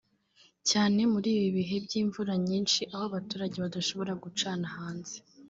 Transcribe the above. cyane muri ibi bihe by’imvura nyinshi aho abaturage badashobora gucana hanze